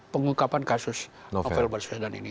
pengungkapan kasus novel baswedan ini